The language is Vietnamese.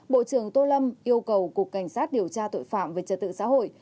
bộ trưởng tô lâm yêu cầu cục cảnh sát điều tra tội phạm về trật tự xã hội